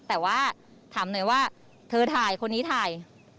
แต่ว่าถามหน่อยว่าเธอถ่ายคนนี้ถ่าย